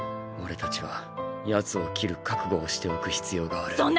俺たちは奴を切る覚悟をしておく必要がある。